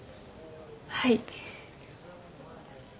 はい。